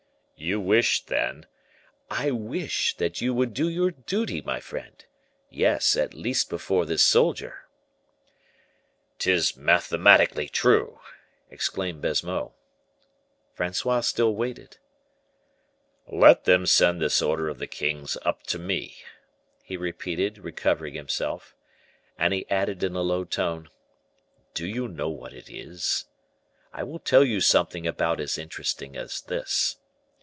"You wish, then " "I wish that you would do your duty, my friend; yes, at least before this soldier." "'Tis mathematically true," exclaimed Baisemeaux. Francois still waited: "Let them send this order of the king's up to me," he repeated, recovering himself. And he added in a low tone, "Do you know what it is? I will tell you something about as interesting as this.